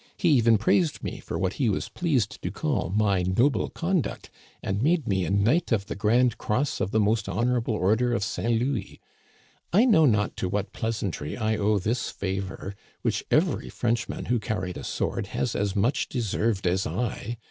He even praised me for what he was pleased to call my noble conduct, and made me a Knight of the Grand Cross of the Most Honorable Order of St. Louis. I know not to what pleasantry I owe this favor, which every Frenchman who carried a sword has as much deserved as I.